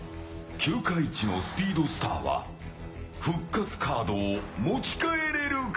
球界一のスピードスターは復活カードを持ち帰れるか？